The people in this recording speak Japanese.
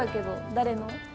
誰の？